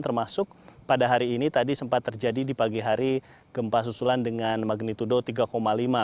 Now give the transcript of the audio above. termasuk pada hari ini tadi sempat terjadi di pagi hari gempa susulan dengan magnitudo tiga lima